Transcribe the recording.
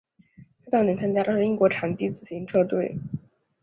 他早年参加的是英国场地自行车队。